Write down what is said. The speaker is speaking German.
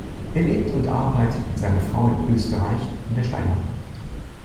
Er lebt und arbeitet mit seiner Frau in Österreich in der Steiermark.